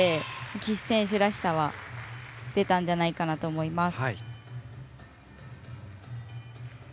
岸選手らしさは出たんじゃないかなと思います。